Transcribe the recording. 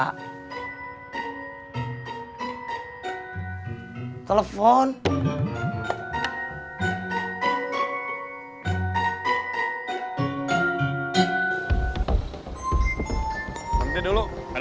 gutir dia jalan calculak